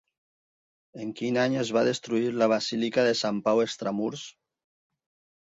En quin any es va destruir la basílica de Sant Pau Extramurs?